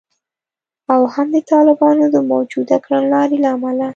او هم د طالبانو د موجوده کړنلارې له امله